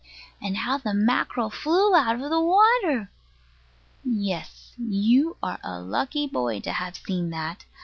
And how the mackerel flew out of the water! Yes. You are a lucky boy to have seen that.